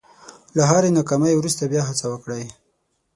له هرې ناکامۍ وروسته بیا هڅه وکړئ.